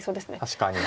確かに。